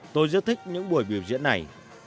tôi rất thích những buổi biểu diễn này